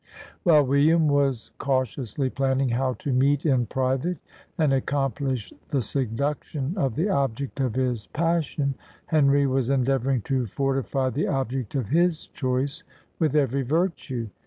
While William was cautiously planning how to meet in private, and accomplish the seduction of the object of his passion, Henry was endeavouring to fortify the object of his choice with every virtue.